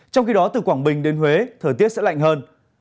trong khi đó từ quảng bình đến huế thời tiết sẽ lạnh hơn